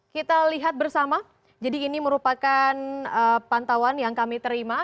kita lihat bersama jadi ini merupakan pantauan yang kami terima